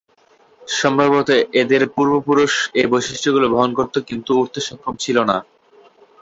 সম্ভবত এদের পূর্বপুরুষ এ বৈশিষ্ট্যগুলো বহন করত, কিন্তু উড়তে সক্ষম ছিল না।